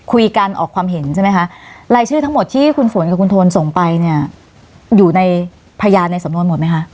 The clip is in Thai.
คุยกันออกความเห็นใช่ไหมคะรายชื่อทั้งหมดที่คุณฝนกับคุณโทนส่งไปเนี่ยอยู่ในพยานในสำนวนหมดไหมคะ